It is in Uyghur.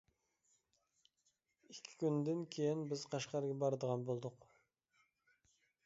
ئىككى كۈندىن كېيىن بىز قەشقەرگە بارىدىغان بولدۇق.